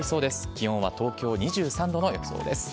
気温は東京２３度の予想です。